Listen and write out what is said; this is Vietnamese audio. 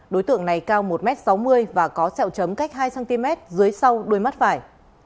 đối tượng này cao một sáu mươi m và có sẹo chấm cách hai cm dưới sau đôi mắt phải